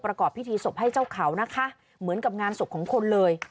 ประกอบพิธีศพให้เจ้าเขานะคะเหมือนกับงานศพของคนเลย